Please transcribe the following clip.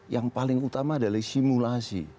yang paling utama adalah simulasi